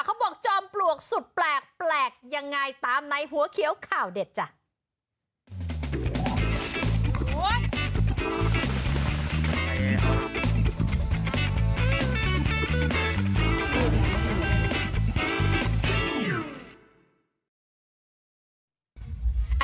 จอมปลวกสุดแปลกยังไงตามในหัวเขียวข่าวเด็ดจ้ะ